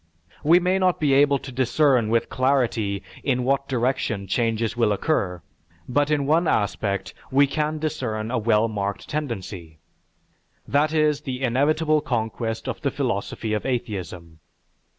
We may not be able to discern with clarity in what direction changes will occur, but in one aspect we can discern a well marked tendency. That is the inevitable conquest of the philosophy of atheism.